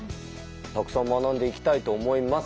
たくさん学んでいきたいと思います。